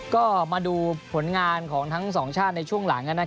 ก็มาดูผลงานของทั้งสองชาติในช่วงหลัง